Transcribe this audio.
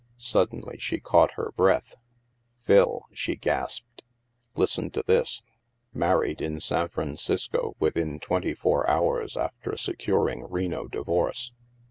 Suddenly, she caught her breath. " Phil," she gasped, " listen to this :* Married in San Francisco within twenty four hours after se curing Reno divorce.